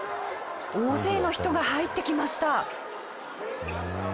大勢の人が入ってきました。